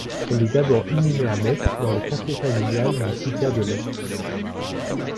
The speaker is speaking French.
Elle est d'abord inhumée à Metz dans le caveau familial du cimetière de L'Est.